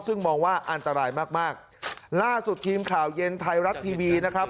ซึ่งมองว่าอันตรายมากมากล่าสุดทีมข่าวเย็นไทยรัฐทีวีนะครับ